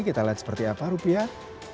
kita lihat seperti apa rupiah